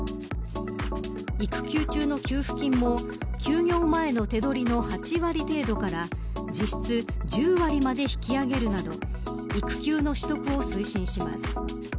育休中の給付金も休業前の手取りの８割程度から実質１０割まで引き上げるなど育休の取得を推進します。